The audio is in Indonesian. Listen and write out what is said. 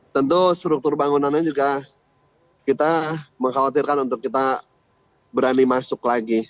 tentu struktur bangunannya juga kita mengkhawatirkan untuk kita berani masuk lagi